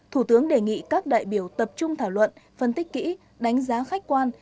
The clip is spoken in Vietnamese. thủ tướng đề nghị các đại biểu tập trung thảo luận phân tích kỹ đánh giá khách quan